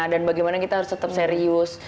dan bagaimana kita harus tetap serius